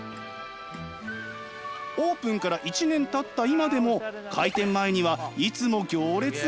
オープンから１年たった今でも開店前にはいつも行列が。